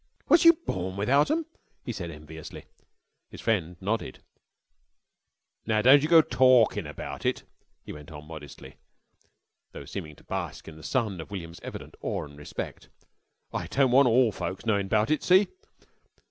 "Was you born without 'em?" he said enviously. His friend nodded. "Nar don't yer go torkin' about it," he went on modestly, though seeming to bask in the sun of William's evident awe and respect. "I don't want all folks knowin' 'bout it. See?